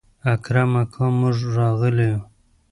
اکرم اکا موږ راغلي يو.